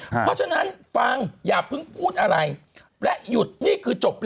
เพราะฉะนั้นฟังอย่าพึงพูดอะไร